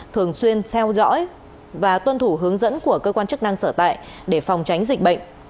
thường xuyên theo dõi và tuân thủ hướng dẫn của cơ quan chức năng sở tại để phòng tránh dịch bệnh